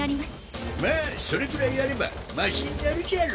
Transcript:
まぁそれぐらいやればましになるじゃろ。